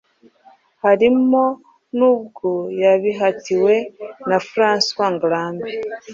harimo nubwo yabihatiwe na François Ngarambe,